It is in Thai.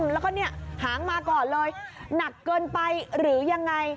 แล้วก็เนี่ยหางมาก่อนเลยหนักเกินไปหรือยังไง